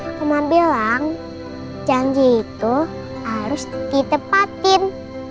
aku mau bilang janji itu harus ditepatin